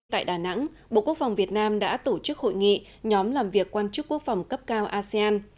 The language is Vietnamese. tại đà nẵng bộ quốc phòng việt nam đã tổ chức hội nghị nhóm làm việc quan chức quốc phòng cấp cao asean